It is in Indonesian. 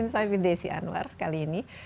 insight with desi anwar kali ini